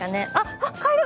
あっカエル！